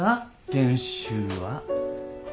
研修は。